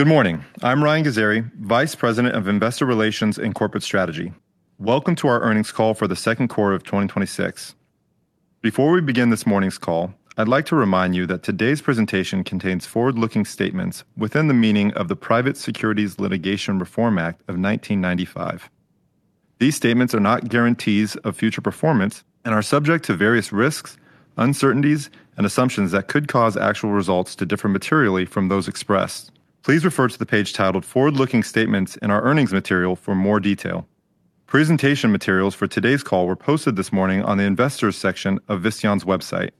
Good morning. I'm Ryan Ghazaeri, Vice President of Investor Relations and Corporate Strategy. Welcome to our earnings call for the second quarter of 2026. Before we begin this morning's call, I'd like to remind you that today's presentation contains forward-looking statements within the meaning of the Private Securities Litigation Reform Act of 1995. These statements are not guarantees of future performance and are subject to various risks, uncertainties, and assumptions that could cause actual results to differ materially from those expressed. Please refer to the page titled "Forward-Looking Statements" in our earnings material for more detail. Presentation materials for today's call were posted this morning on the Investors section of Visteon's website.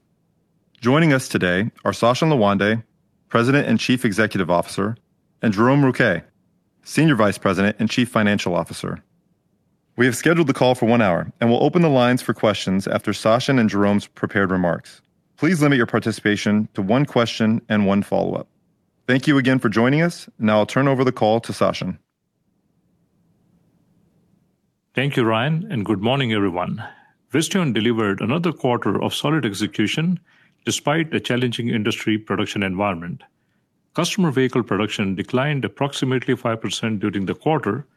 Joining us today are Sachin Lawande, President and Chief Executive Officer, and Jerome Rouquet, Senior Vice President and Chief Financial Officer. We have scheduled the call for one hour and will open the lines for questions after Sachin and Jerome's prepared remarks. Please limit your participation to one question and one follow-up. Thank you again for joining us. I'll turn over the call to Sachin. Thank you, Ryan. Good morning, everyone. Visteon delivered another quarter of solid execution despite a challenging industry production environment. Customer vehicle production declined approximately 5% during the quarter,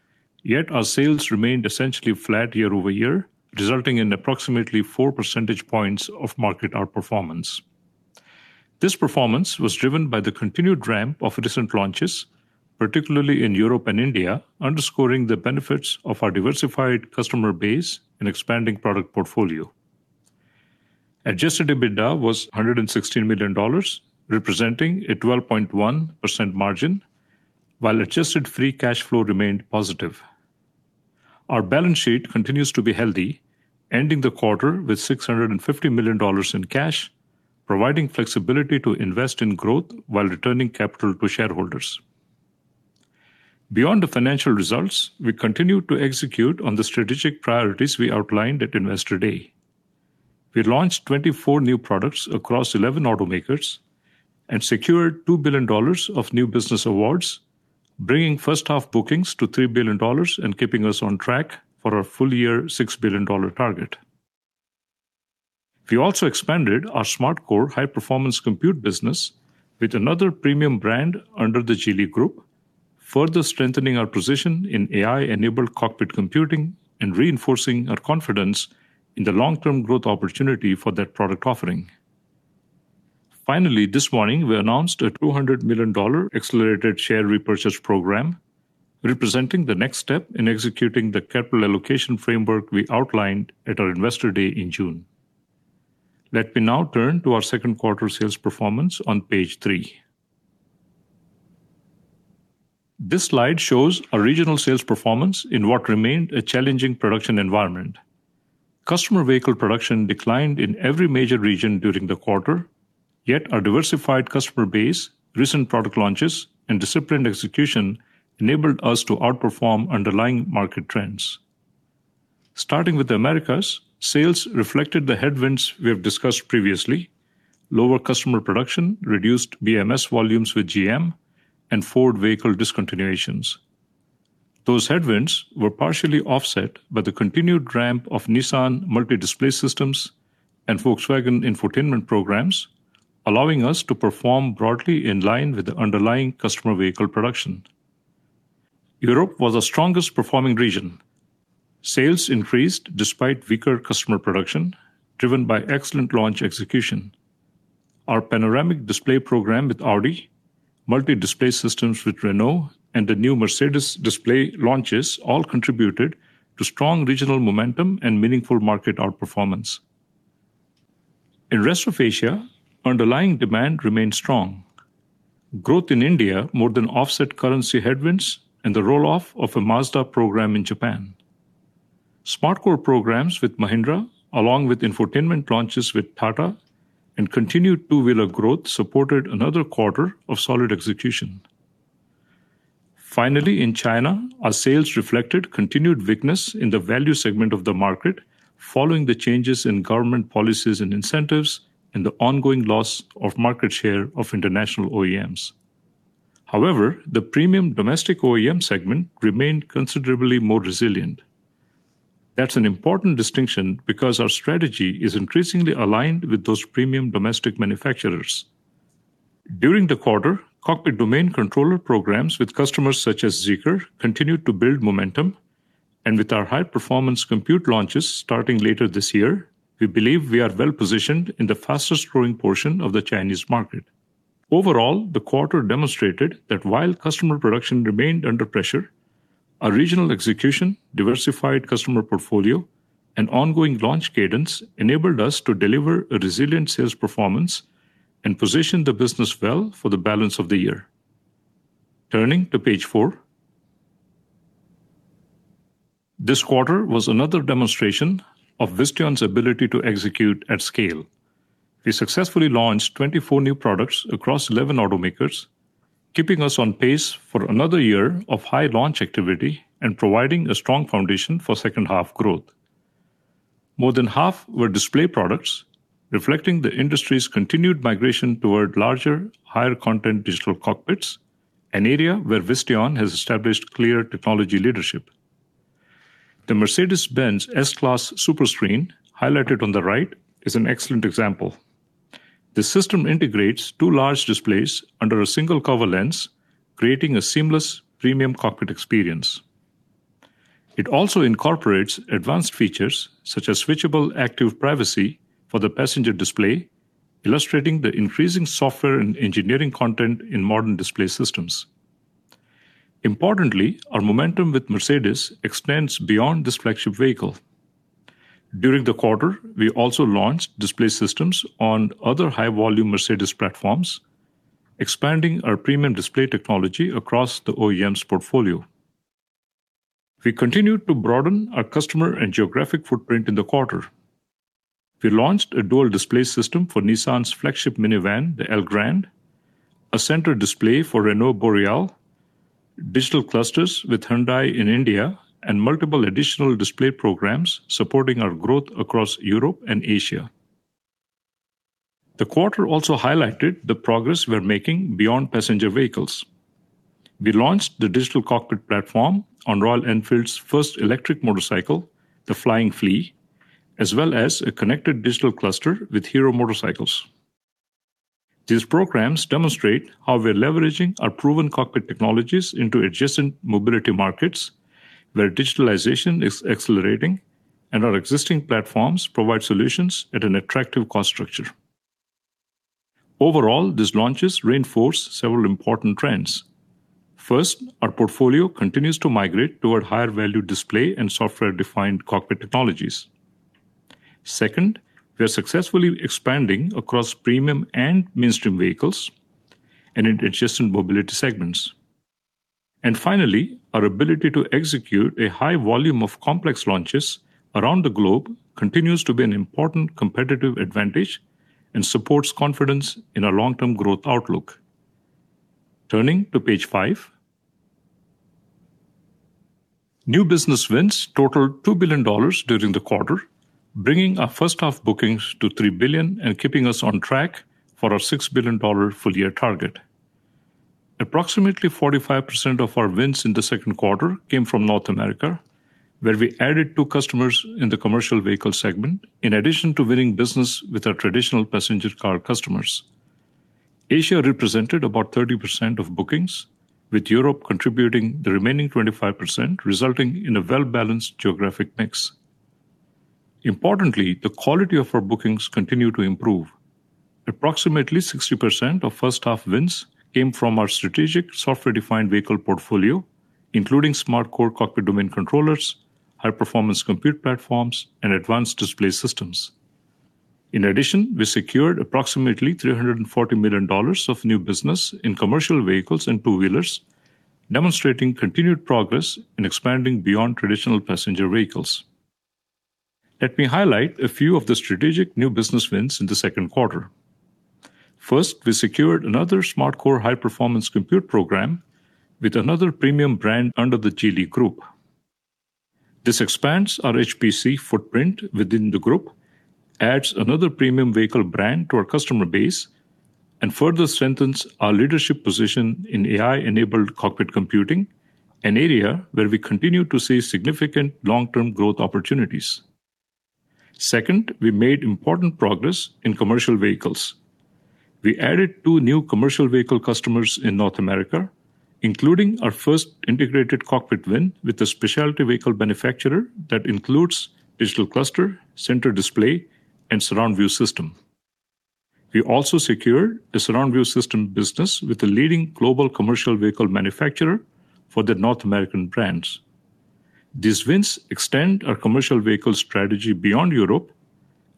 yet our sales remained essentially flat year-over-year, resulting in approximately 4 percentage points of market outperformance. This performance was driven by the continued ramp of recent launches, particularly in Europe and India, underscoring the benefits of our diversified customer base and expanding product portfolio. Adjusted EBITDA was $116 million, representing a 12.1% margin, while adjusted free cash flow remained positive. Our balance sheet continues to be healthy, ending the quarter with $650 million in cash, providing flexibility to invest in growth while returning capital to shareholders. Beyond the financial results, we continued to execute on the strategic priorities we outlined at Investor Day. We launched 24 new products across 11 automakers and secured $2 billion of new business awards, bringing first-half bookings to $3 billion and keeping us on track for our full-year $6 billion target. We also expanded our SmartCore high-performance compute business with another premium brand under the Geely Group, further strengthening our position in AI-enabled cockpit computing and reinforcing our confidence in the long-term growth opportunity for that product offering. This morning we announced a $200 million accelerated share repurchase program, representing the next step in executing the capital allocation framework we outlined at our Investor Day in June. Let me now turn to our second quarter sales performance on page three. This slide shows our regional sales performance in what remained a challenging production environment. Customer vehicle production declined in every major region during the quarter, yet our diversified customer base, recent product launches, and disciplined execution enabled us to outperform underlying market trends. Starting with the Americas, sales reflected the headwinds we have discussed previously. Lower customer production reduced BMS volumes with GM and Ford vehicle discontinuations. Those headwinds were partially offset by the continued ramp of Nissan multi-display systems and Volkswagen infotainment programs, allowing us to perform broadly in line with the underlying customer vehicle production. Europe was our strongest performing region. Sales increased despite weaker customer production, driven by excellent launch execution. Our panoramic display program with Audi, multi-display systems with Renault, and the new Mercedes display launches all contributed to strong regional momentum and meaningful market outperformance. In rest of Asia, underlying demand remained strong. Growth in India more than offset currency headwinds and the roll-off of a Mazda program in Japan. SmartCore programs with Mahindra, along with infotainment launches with Tata and continued two-wheeler growth, supported another quarter of solid execution. In China, our sales reflected continued weakness in the value segment of the market following the changes in government policies and incentives and the ongoing loss of market share of international OEMs. The premium domestic OEM segment remained considerably more resilient. That's an important distinction because our strategy is increasingly aligned with those premium domestic manufacturers. During the quarter, cockpit domain controller programs with customers such as Zeekr continued to build momentum, and with our high-performance compute launches starting later this year, we believe we are well-positioned in the fastest-growing portion of the Chinese market. Overall, the quarter demonstrated that while customer production remained under pressure, our regional execution, diversified customer portfolio, and ongoing launch cadence enabled us to deliver a resilient sales performance and position the business well for the balance of the year. Turning to page four. This quarter was another demonstration of Visteon's ability to execute at scale. We successfully launched 24 new products across 11 automakers, keeping us on pace for another year of high launch activity and providing a strong foundation for second half growth. More than half were display products, reflecting the industry's continued migration toward larger, higher content digital cockpits, an area where Visteon has established clear technology leadership. The Mercedes-Benz S-Class Superscreen, highlighted on the right, is an excellent example. The system integrates two large displays under a single cover lens, creating a seamless premium cockpit experience. It also incorporates advanced features such as switchable active privacy for the passenger display, illustrating the increasing software and engineering content in modern display systems. Our momentum with Mercedes extends beyond this flagship vehicle. During the quarter, we also launched display systems on other high-volume Mercedes platforms, expanding our premium display technology across the OEM's portfolio. We continued to broaden our customer and geographic footprint in the quarter. We launched a dual display system for Nissan's flagship minivan, the Elgrand, a center display for Renault Boreal, digital clusters with Hyundai in India, and multiple additional display programs supporting our growth across Europe and Asia. The quarter also highlighted the progress we're making beyond passenger vehicles. We launched the digital cockpit platform on Royal Enfield's first electric motorcycle, the Flying Flea, as well as a connected digital cluster with Hero MotoCorp. These programs demonstrate how we're leveraging our proven cockpit technologies into adjacent mobility markets, where digitalization is accelerating, and our existing platforms provide solutions at an attractive cost structure. Overall, these launches reinforce several important trends. First, our portfolio continues to migrate toward higher-value display and software-defined cockpit technologies. Second, we are successfully expanding across premium and mainstream vehicles and in adjacent mobility segments. Finally, our ability to execute a high volume of complex launches around the globe continues to be an important competitive advantage and supports confidence in our long-term growth outlook. Turning to page five. New business wins totaled $2 billion during the quarter, bringing our first-half bookings to $3 billion and keeping us on track for our $6 billion full-year target. Approximately 45% of our wins in the second quarter came from North America, where we added two customers in the commercial vehicle segment, in addition to winning business with our traditional passenger car customers. Asia represented about 30% of bookings, with Europe contributing the remaining 25%, resulting in a well-balanced geographic mix. Importantly, the quality of our bookings continue to improve. Approximately 60% of first-half wins came from our strategic software-defined vehicle portfolio, including SmartCore cockpit domain controllers, high-performance compute platforms, and advanced display systems. In addition, we secured approximately $340 million of new business in commercial vehicles and two-wheelers, demonstrating continued progress in expanding beyond traditional passenger vehicles. Let me highlight a few of the strategic new business wins in the second quarter. First, we secured another SmartCore high-performance compute program with another premium brand under the Geely Group. This expands our HPC footprint within the group, adds another premium vehicle brand to our customer base, and further strengthens our leadership position in AI-enabled cockpit computing, an area where we continue to see significant long-term growth opportunities. Second, we made important progress in commercial vehicles. We added two new commercial vehicle customers in North America, including our first integrated cockpit win with a specialty vehicle manufacturer that includes digital cluster, center display, and surround view system. We also secured a surround view system business with a leading global commercial vehicle manufacturer for their North American brands. These wins extend our commercial vehicle strategy beyond Europe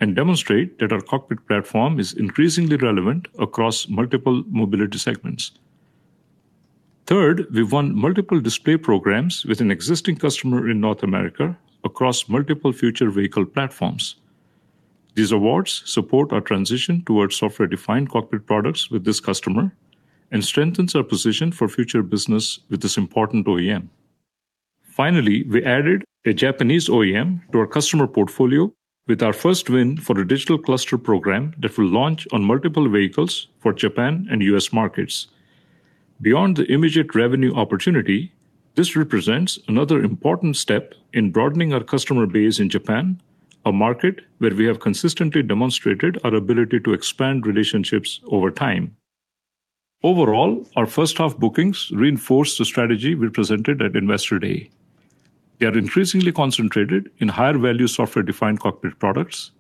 and demonstrate that our cockpit platform is increasingly relevant across multiple mobility segments. Third, we won multiple display programs with an existing customer in North America across multiple future vehicle platforms. These awards support our transition towards software-defined cockpit products with this customer and strengthens our position for future business with this important OEM. Finally, we added a Japanese OEM to our customer portfolio with our first win for a digital cluster program that will launch on multiple vehicles for Japan and U.S. markets. Beyond the immediate revenue opportunity, this represents another important step in broadening our customer base in Japan, a market where we have consistently demonstrated our ability to expand relationships over time. Overall, our first half bookings reinforce the strategy we presented at Investor Day. They are increasingly concentrated in higher-value software-defined cockpit products,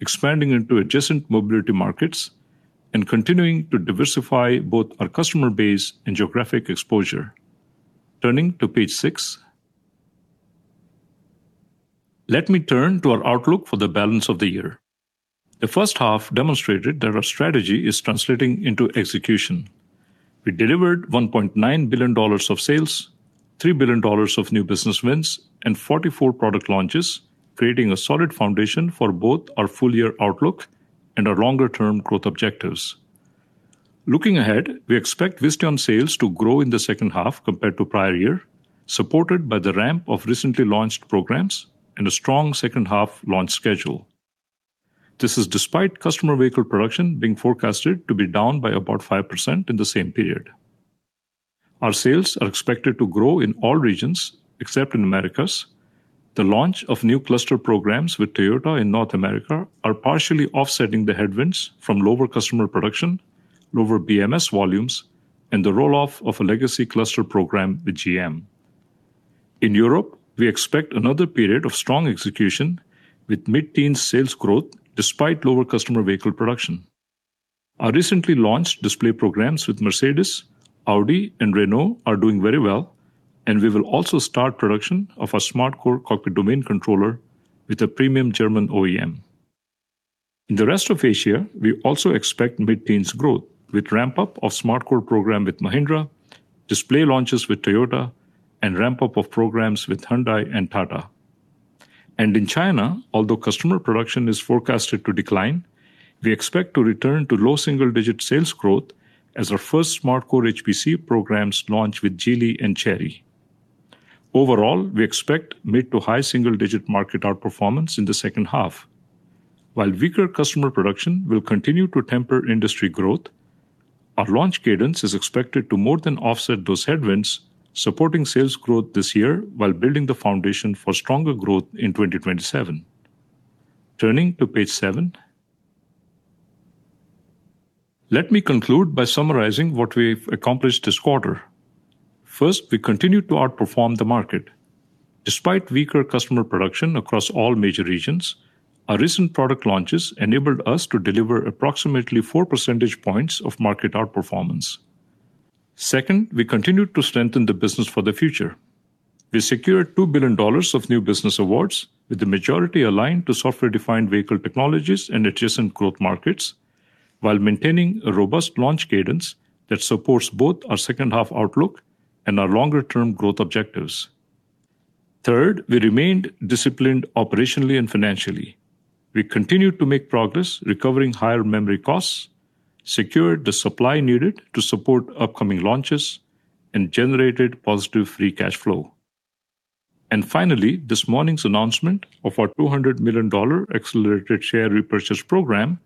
expanding into adjacent mobility markets, and continuing to diversify both our customer base and geographic exposure. Turning to page six. Let me turn to our outlook for the balance of the year. The first half demonstrated that our strategy is translating into execution. We delivered $1.9 billion of sales, $3 billion of new business wins, and 44 product launches, creating a solid foundation for both our full-year outlook and our longer-term growth objectives. Looking ahead, we expect Visteon sales to grow in the second half compared to prior year, supported by the ramp of recently launched programs and a strong second half launch schedule. This is despite customer vehicle production being forecasted to be down by about 5% in the same period. Our sales are expected to grow in all regions except in the Americas. The launch of new cluster programs with Toyota in North America are partially offsetting the headwinds from lower customer production, lower BMS volumes, and the roll-off of a legacy cluster program with GM. In Europe, we expect another period of strong execution with mid-teen sales growth despite lower customer vehicle production. Our recently launched display programs with Mercedes, Audi, and Renault are doing very well, and we will also start production of our SmartCore cockpit domain controller with a premium German OEM. In the rest of Asia, we also expect mid-teens growth with ramp-up of SmartCore program with Mahindra, display launches with Toyota, and ramp-up of programs with Hyundai and Tata. In China, although customer production is forecasted to decline, we expect to return to low single-digit sales growth as our first SmartCore HPC programs launch with Geely and Chery. Overall, we expect mid to high single-digit market outperformance in the second half. While weaker customer production will continue to temper industry growth, our launch cadence is expected to more than offset those headwinds, supporting sales growth this year while building the foundation for stronger growth in 2027. Turning to page seven. Let me conclude by summarizing what we've accomplished this quarter. First, we continued to outperform the market. Despite weaker customer production across all major regions, our recent product launches enabled us to deliver approximately 4 percentage points of market outperformance. Second, we continued to strengthen the business for the future. We secured $2 billion of new business awards, with the majority aligned to software-defined vehicle technologies and adjacent growth markets while maintaining a robust launch cadence that supports both our second half outlook and our longer-term growth objectives. Third, we remained disciplined operationally and financially. We continued to make progress recovering higher memory costs, secured the supply needed to support upcoming launches, and generated positive free cash flow. Finally, this morning's announcement of our $200 million accelerated share repurchase program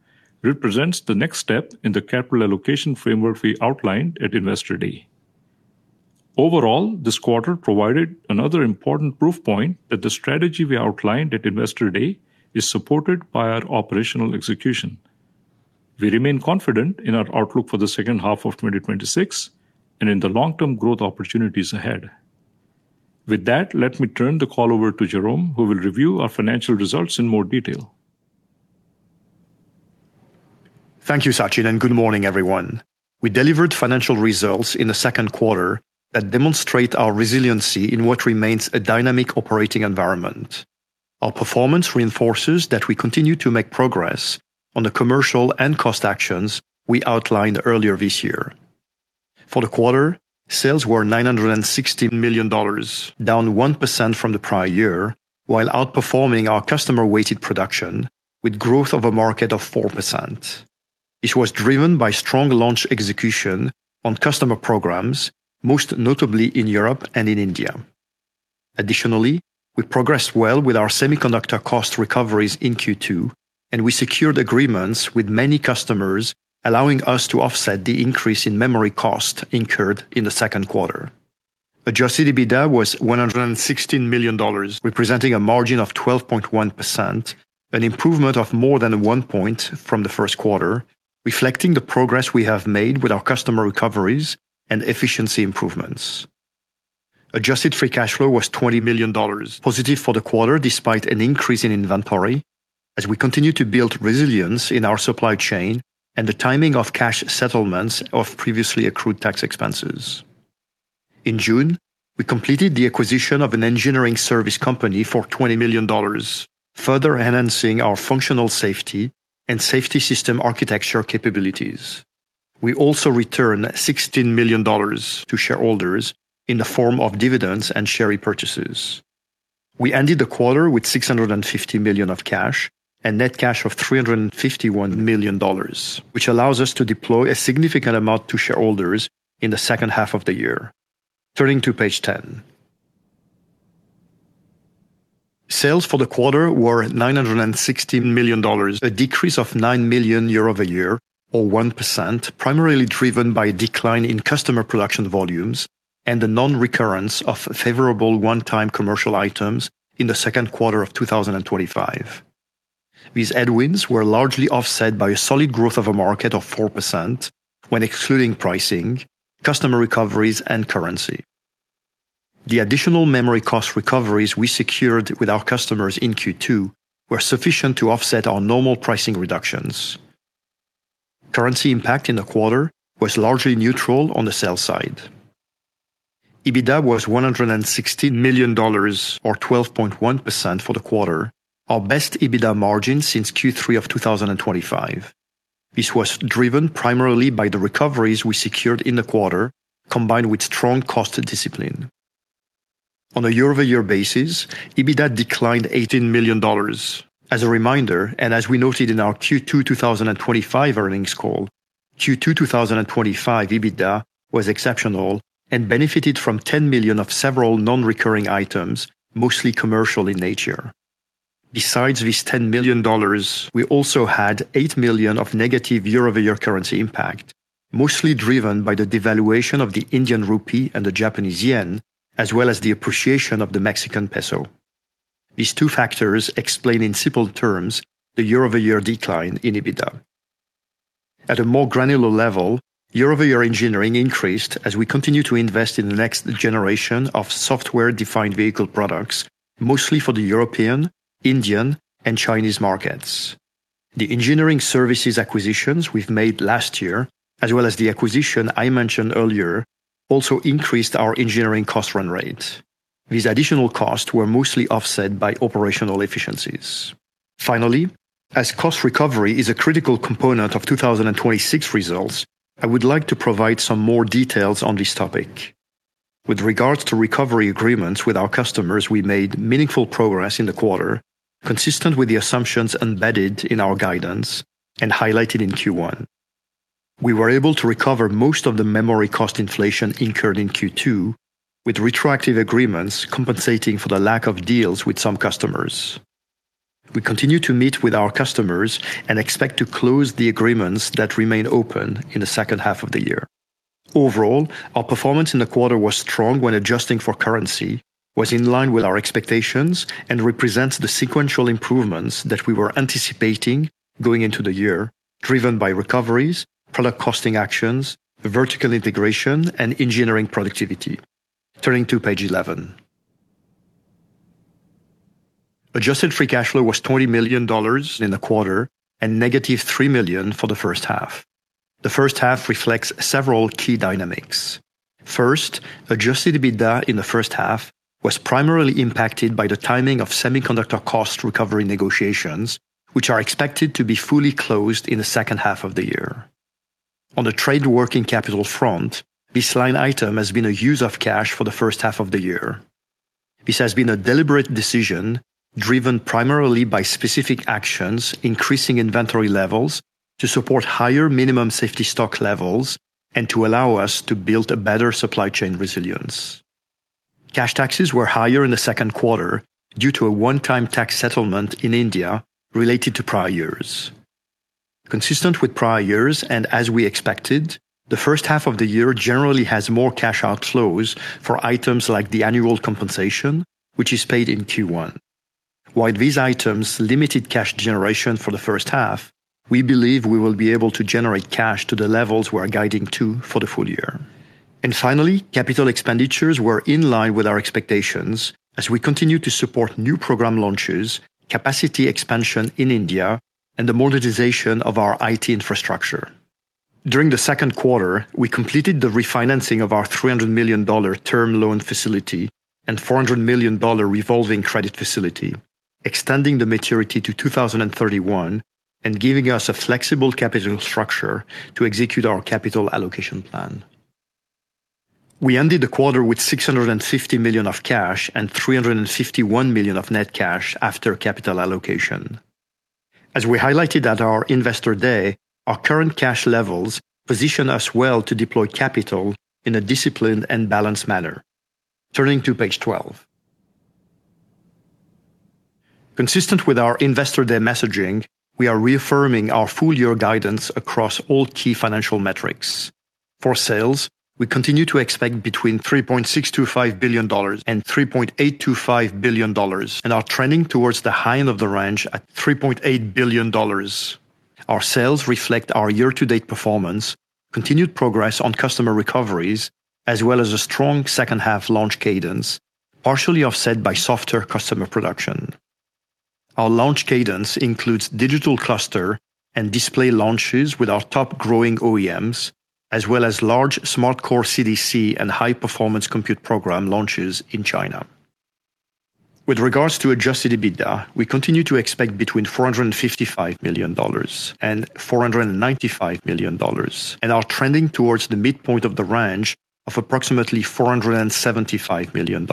represents the next step in the capital allocation framework we outlined at Investor Day. Overall, this quarter provided another important proof point that the strategy we outlined at Investor Day is supported by our operational execution. We remain confident in our outlook for the second half of 2026 and in the long-term growth opportunities ahead. With that, let me turn the call over to Jerome, who will review our financial results in more detail. Thank you, Sachin, good morning, everyone. We delivered financial results in the second quarter that demonstrate our resiliency in what remains a dynamic operating environment. Our performance reinforces that we continue to make progress on the commercial and cost actions we outlined earlier this year. For the quarter, sales were $960 million, down 1% from the prior year, while outperforming our customer weighted production with growth of a market of 4%. It was driven by strong launch execution on customer programs, most notably in Europe and in India. Additionally, we progressed well with our semiconductor cost recoveries in Q2. We secured agreements with many customers, allowing us to offset the increase in memory cost incurred in the second quarter. Adjusted EBITDA was $116 million, representing a margin of 12.1%, an improvement of more than 1 point from the first quarter, reflecting the progress we have made with our customer recoveries and efficiency improvements. Adjusted free cash flow was $20 million, positive for the quarter despite an increase in inventory, as we continue to build resilience in our supply chain and the timing of cash settlements of previously accrued tax expenses. In June, we completed the acquisition of an engineering service company for $20 million, further enhancing our functional safety and safety system architecture capabilities. We also returned $16 million to shareholders in the form of dividends and share repurchases. We ended the quarter with $650 million of cash and net cash of $351 million, which allows us to deploy a significant amount to shareholders in the second half of the year. Turning to page 10. Sales for the quarter were $960 million, a decrease of $9 million year-over-year or 1%, primarily driven by a decline in customer production volumes and the non-recurrence of favorable one-time commercial items in the second quarter of 2025. These headwinds were largely offset by a solid growth of a market of 4% when excluding pricing, customer recoveries, and currency. The additional memory cost recoveries we secured with our customers in Q2 were sufficient to offset our normal pricing reductions. Currency impact in the quarter was largely neutral on the sales side. EBITDA was $116 million, or 12.1% for the quarter, our best EBITDA margin since Q3 of 2025. This was driven primarily by the recoveries we secured in the quarter, combined with strong cost discipline. On a year-over-year basis, EBITDA declined $18 million. As a reminder, as we noted in our Q2 2025 earnings call, Q2 2025 EBITDA was exceptional and benefited from $10 million of several non-recurring items, mostly commercial in nature. Besides this $10 million, we also had $8 million of negative year-over-year currency impact, mostly driven by the devaluation of the Indian rupee and the Japanese yen, as well as the appreciation of the Mexican peso. These two factors explain in simple terms the year-over-year decline in EBITDA. At a more granular level, year-over-year engineering increased as we continue to invest in the next generation of software-defined vehicle products, mostly for the European, Indian, and Chinese markets. The engineering services acquisitions we've made last year, as well as the acquisition I mentioned earlier, also increased our engineering cost run rate. These additional costs were mostly offset by operational efficiencies. Finally, as cost recovery is a critical component of 2026 results, I would like to provide some more details on this topic. With regards to recovery agreements with our customers, we made meaningful progress in the quarter, consistent with the assumptions embedded in our guidance and highlighted in Q1. We were able to recover most of the memory cost inflation incurred in Q2 with retroactive agreements compensating for the lack of deals with some customers. We continue to meet with our customers and expect to close the agreements that remain open in the second half of the year. Overall, our performance in the quarter was strong when adjusting for currency, was in line with our expectations, and represents the sequential improvements that we were anticipating going into the year, driven by recoveries, product costing actions, vertical integration, and engineering productivity. Turning to page 11. Adjusted free cash flow was $20 million in the quarter and -$3 million for the first half. The first half reflects several key dynamics. First, adjusted EBITDA in the first half was primarily impacted by the timing of semiconductor cost recovery negotiations, which are expected to be fully closed in the second half of the year. On the trade working capital front, this line item has been a use of cash for the first half of the year. This has been a deliberate decision, driven primarily by specific actions, increasing inventory levels to support higher minimum safety stock levels, and to allow us to build a better supply chain resilience. Cash taxes were higher in the second quarter due to a one-time tax settlement in India related to prior years. Consistent with prior years, as we expected, the first half of the year generally has more cash outflows for items like the annual compensation, which is paid in Q1. While these items limited cash generation for the first half, we believe we will be able to generate cash to the levels we are guiding to for the full year. Finally, capital expenditures were in line with our expectations as we continue to support new program launches, capacity expansion in India, and the modernization of our IT infrastructure. During the second quarter, we completed the refinancing of our $300 million term loan facility and $400 million revolving credit facility, extending the maturity to 2031 and giving us a flexible capital structure to execute our capital allocation plan. We ended the quarter with $650 million of cash and $351 million of net cash after capital allocation. As we highlighted at our Investor Day, our current cash levels position us well to deploy capital in a disciplined and balanced manner. Turning to page 12. Consistent with our Investor Day messaging, we are reaffirming our full-year guidance across all key financial metrics. For sales, we continue to expect between $3.625 billion and $3.825 billion and are trending towards the high end of the range at $3.8 billion. Our sales reflect our year-to-date performance, continued progress on customer recoveries, as well as a strong second half launch cadence, partially offset by softer customer production. Our launch cadence includes digital cluster and display launches with our top growing OEMs, as well as large SmartCore CDC and high-performance compute program launches in China. With regards to adjusted EBITDA, we continue to expect between $455 million and $495 million and are trending towards the midpoint of the range of approximately $475 million.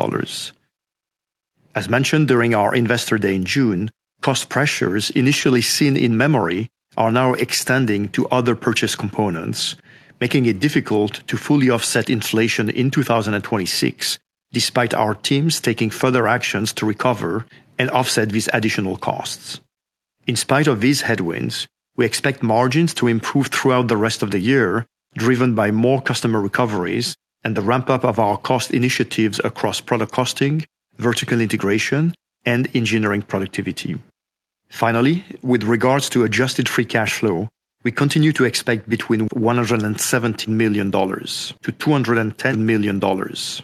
As mentioned during our Investor Day in June, cost pressures initially seen in memory are now extending to other purchase components, making it difficult to fully offset inflation in 2026, despite our teams taking further actions to recover and offset these additional costs. In spite of these headwinds, we expect margins to improve throughout the rest of the year, driven by more customer recoveries and the ramp-up of our cost initiatives across product costing, vertical integration, and engineering productivity. Finally, with regards to adjusted free cash flow, we continue to expect between $170 million to $210 million,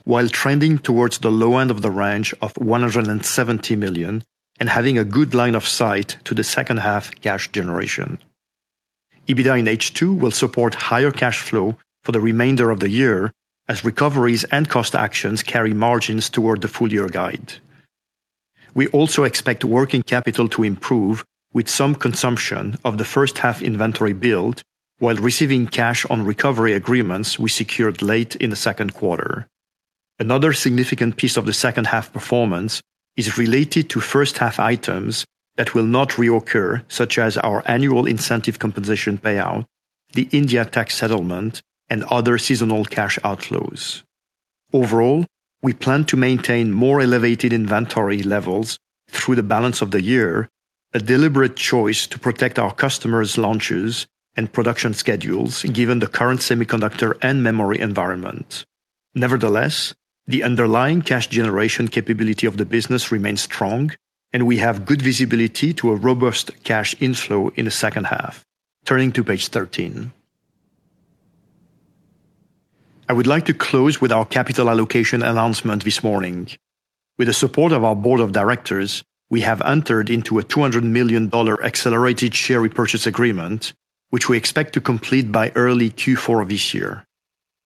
while trending towards the low end of the range of $170 million and having a good line of sight to the second half cash generation. EBITDA in H2 will support higher cash flow for the remainder of the year as recoveries and cost actions carry margins toward the full-year guide. We also expect working capital to improve with some consumption of the first half inventory build while receiving cash on recovery agreements we secured late in the second quarter. Another significant piece of the second half performance is related to first-half items that will not reoccur, such as our annual incentive compensation payout, the India tax settlement, and other seasonal cash outflows. Overall, we plan to maintain more elevated inventory levels through the balance of the year, a deliberate choice to protect our customers' launches and production schedules, given the current semiconductor and memory environment. Nevertheless, the underlying cash generation capability of the business remains strong, and we have good visibility to a robust cash inflow in the second half. Turning to page 13. I would like to close with our capital allocation announcement this morning. With the support of our board of directors, we have entered into a $200 million accelerated share repurchase agreement, which we expect to complete by early Q4 of this year.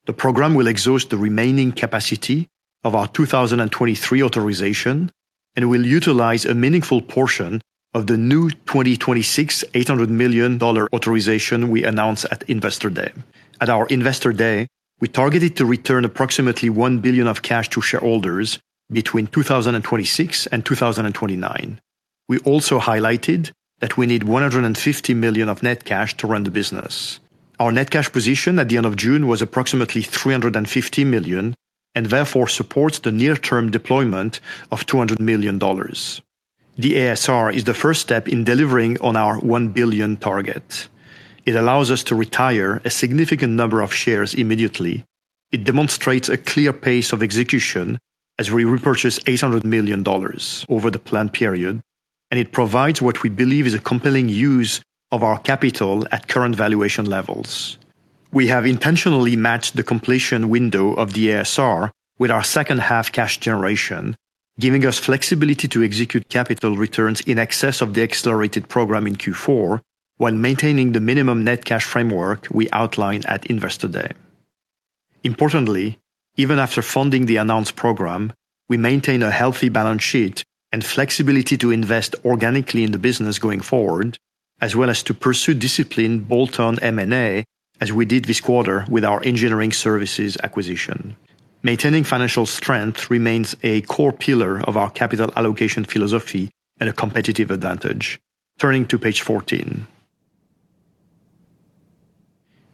The program will exhaust the remaining capacity of our 2023 authorization and will utilize a meaningful portion of the new 2026 $800 million authorization we announced at Investor Day. At our Investor Day, we targeted to return approximately $1 billion of cash to shareholders between 2026 and 2029. We also highlighted that we need $150 million of net cash to run the business. Our net cash position at the end of June was approximately $350 million, and therefore supports the near-term deployment of $200 million. The ASR is the first step in delivering on our $1 billion target. It allows us to retire a significant number of shares immediately. It demonstrates a clear pace of execution as we repurchase $800 million over the planned period, and it provides what we believe is a compelling use of our capital at current valuation levels. We have intentionally matched the completion window of the ASR with our second-half cash generation, giving us flexibility to execute capital returns in excess of the accelerated program in Q4, while maintaining the minimum net cash framework we outlined at Investor Day. Importantly, even after funding the announced program, we maintain a healthy balance sheet and flexibility to invest organically in the business going forward, as well as to pursue disciplined bolt-on M&A, as we did this quarter with our engineering services acquisition. Maintaining financial strength remains a core pillar of our capital allocation philosophy and a competitive advantage. Turning to page 14.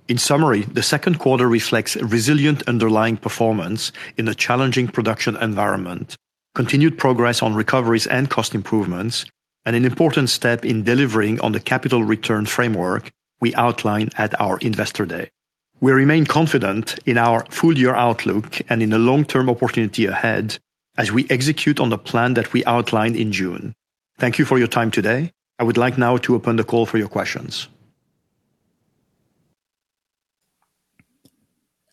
In summary, the second quarter reflects a resilient underlying performance in a challenging production environment, continued progress on recoveries and cost improvements, and an important step in delivering on the capital return framework we outlined at our Investor Day. We remain confident in our full-year outlook and in the long-term opportunity ahead as we execute on the plan that we outlined in June. Thank you for your time today. I would like now to open the call for your questions.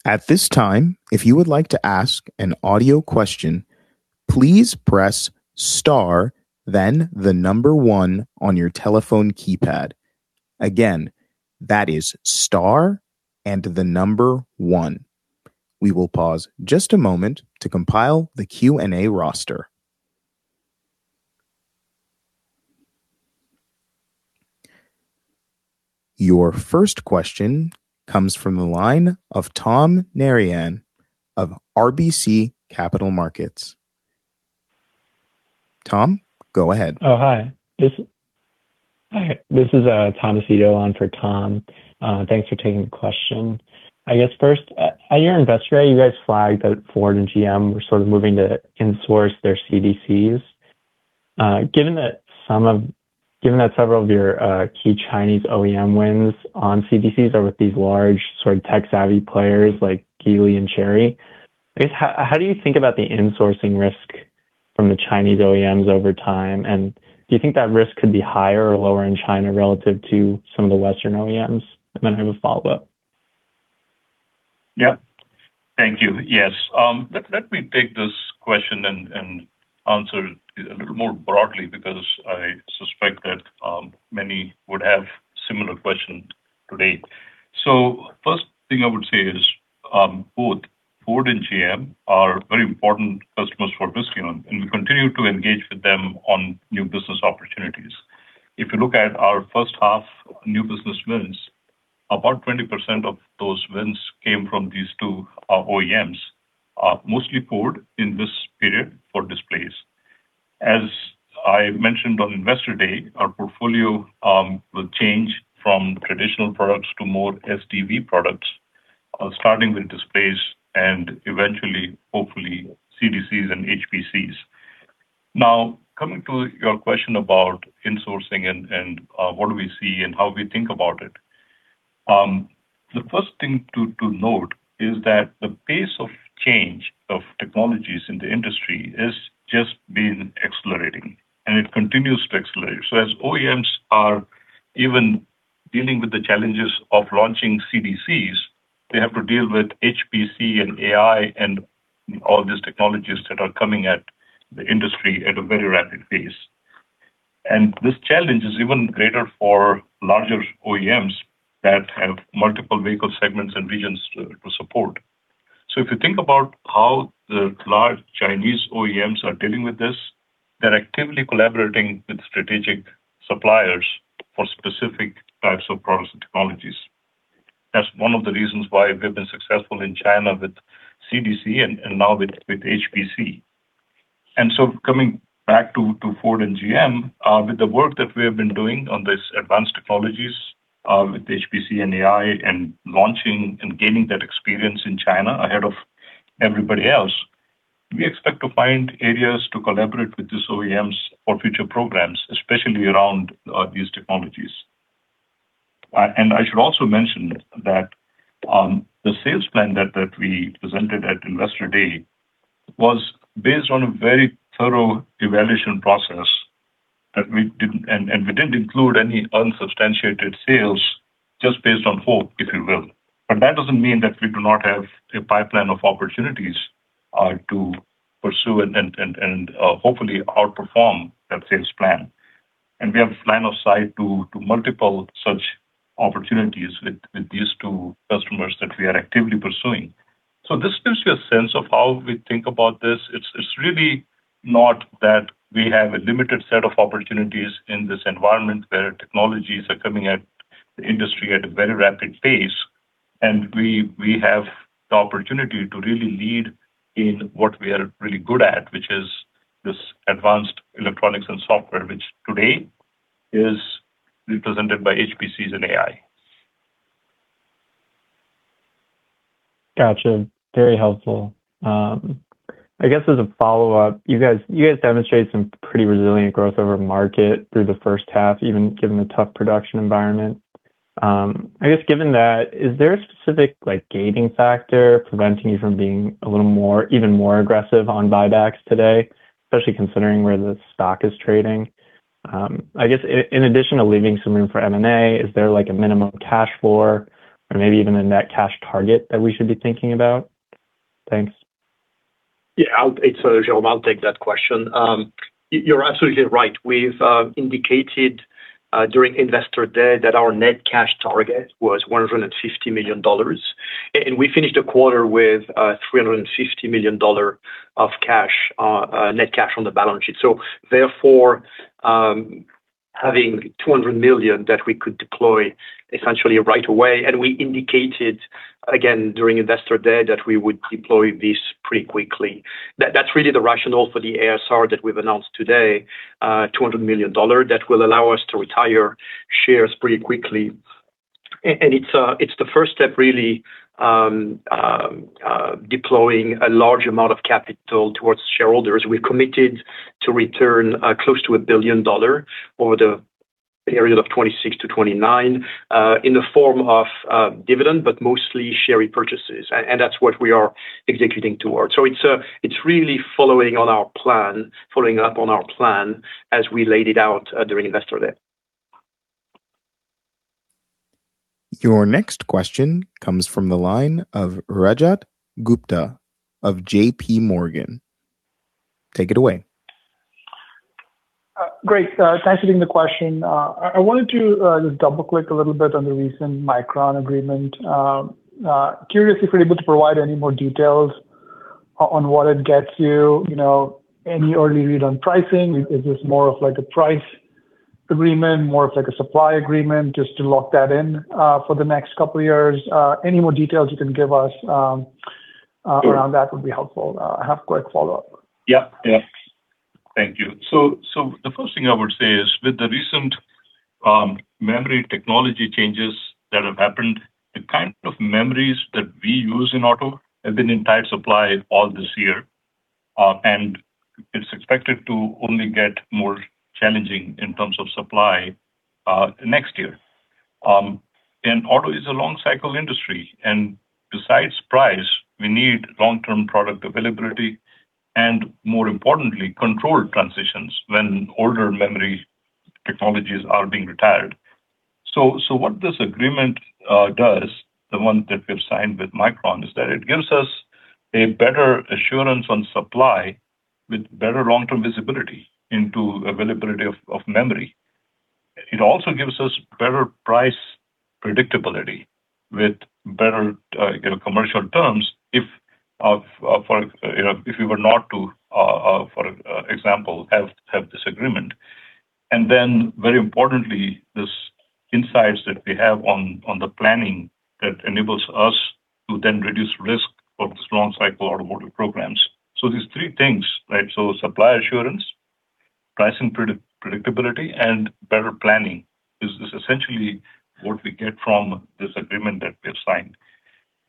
At this time, if you would like to ask an audio question, please press star, then the number one on your telephone keypad. Again, that is star and the number one. We will pause just a moment to compile the Q&A roster. Your first question comes from the line of Tom Narayan of RBC Capital Markets. Tom, go ahead. Hi. This is Thomas Ito on for Tom. Thanks for taking the question. I guess first, at your Investor Day, you guys flagged that Ford and GM were sort of moving to insource their CDCs. Given that several of your key Chinese OEM wins on CDCs are with these large sort of tech-savvy players like Geely and Chery, I guess, how do you think about the insourcing risk from the Chinese OEMs over time? Do you think that risk could be higher or lower in China relative to some of the Western OEMs? I have a follow-up. Yes. Let me take this question and answer it a little more broadly, because I suspect that many would have similar questions today. First thing I would say is both Ford and GM are very important customers for Visteon, and we continue to engage with them on new business opportunities. If you look at our first half new business wins, about 20% of those wins came from these two OEMs, mostly Ford in this period for displays. As I mentioned on Investor Day, our portfolio will change from traditional products to more SDV products, starting with displays and eventually, hopefully, CDCs and HPCs. Coming to your question about insourcing and what do we see and how we think about it. The first thing to note is that the pace of change of technologies in the industry is just been accelerating, it continues to accelerate. As OEMs are even dealing with the challenges of launching CDCs, they have to deal with HPC and AI and all these technologies that are coming at the industry at a very rapid pace. This challenge is even greater for larger OEMs that have multiple vehicle segments and regions to support. If you think about how the large Chinese OEMs are dealing with this, they're actively collaborating with strategic suppliers for specific types of products and technologies. That's one of the reasons why we've been successful in China with CDC and now with HPC. Coming back to Ford and GM, with the work that we have been doing on these advanced technologies with HPC and AI and launching and gaining that experience in China ahead of everybody else, we expect to find areas to collaborate with these OEMs for future programs, especially around these technologies. I should also mention that the sales plan that we presented at Investor Day was based on a very thorough evaluation process, and we didn't include any unsubstantiated sales just based on hope, if you will. That doesn't mean that we do not have a pipeline of opportunities to pursue and hopefully outperform that sales plan. We have line of sight to multiple such opportunities with these two customers that we are actively pursuing. This gives you a sense of how we think about this. It's really not that we have a limited set of opportunities in this environment where technologies are coming at the industry at a very rapid pace, and we have the opportunity to really lead in what we are really good at, which is this advanced electronics and software, which today is represented by HPCs and AI. Got you. Very helpful. I guess as a follow-up, you guys demonstrate some pretty resilient growth over market through the first half, even given the tough production environment. I guess given that, is there a specific gating factor preventing you from being even more aggressive on buybacks today, especially considering where the stock is trading? I guess in addition to leaving some room for M&A, is there a minimum cash floor or maybe even a net cash target that we should be thinking about? Thanks. Yeah. It's Jerome. I'll take that question. You're absolutely right. We've indicated during Investor Day that our net cash target was $150 million. We finished the quarter with $350 million of net cash on the balance sheet. Therefore, having $200 million that we could deploy essentially right away, and we indicated again during Investor Day that we would deploy this pretty quickly. That's really the rationale for the ASR that we've announced today, $200 million, that will allow us to retire shares pretty quickly. It's the first step, really, deploying a large amount of capital towards shareholders. We've committed to return close to $1 billion over the period of 2026 to 2029, in the form of dividend, but mostly share repurchases, and that's what we are executing towards. It's really following up on our plan as we laid it out during Investor Day. Your next question comes from the line of Rajat Gupta of JPMorgan. Take it away. Great. Thanks for taking the question. I wanted to just double-click a little bit on the recent Micron agreement. Curious if you're able to provide any more details on what it gets you, any early read on pricing. Is this more of a price agreement, more of a supply agreement, just to lock that in for the next couple of years? Any more details you can give us around that would be helpful. I have a quick follow-up. Thank you. The first thing I would say is, with the recent memory technology changes that have happened, the kind of memories that we use in auto have been in tight supply all this year. It's expected to only get more challenging in terms of supply next year. Auto is a long cycle industry. Besides price, we need long-term product availability and more importantly, controlled transitions when older memory technologies are being retired. What this agreement does, the one that we've signed with Micron, is that it gives us a better assurance on supply with better long-term visibility into availability of memory. It also gives us better price predictability with better commercial terms if we were not to, for example, have this agreement. Very importantly, these insights that we have on the planning that enables us to then reduce risk of these long cycle automotive programs. These three things, right? Supplier assurance, pricing predictability, and better planning is essentially what we get from this agreement that we've signed.